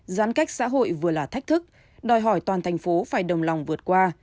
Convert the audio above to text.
giãn cách xã hội vừa là thách thức đòi hỏi toàn thành phố phải đồng lòng vượt qua